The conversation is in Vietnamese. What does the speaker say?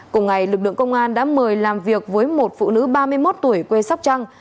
cùng ngày lực lượng công an đã mời làm việc với một phụ nữ ba mươi một tuổi quê sóc trăng